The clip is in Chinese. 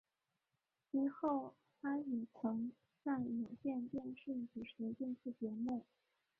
其后他也曾在有线电视主持电视节目。